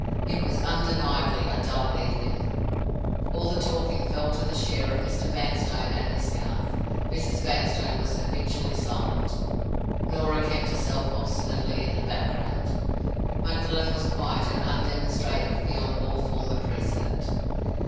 It was undeniably a dull evening. All the talking fell to the share of Mr. Vanstone and Miss Garth. Mrs. Vanstone was habitually silent; Norah kept herself obstinately in the background; Magdalen was quiet and undemonstrative beyond all former precedent.